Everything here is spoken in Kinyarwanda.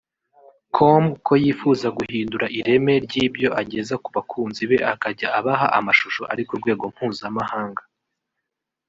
com ko yifuza guhindura ireme ry'ibyo ageza ku bakunzi be akajya abaha amashusho ari ku rwego mpuzamahanga